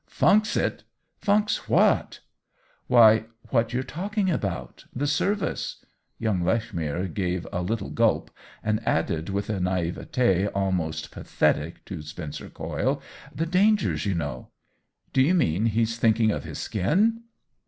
" Funks it ! Funks what ?" OWEN WINGRAVE 177 "Why, what we're talking about — the service." Young Lechmere gave a little gulp, and added, with a naivete almost pa thetic to Spencer Coyle, " The dangers, you know !"" Do you mean he's thinking of his skin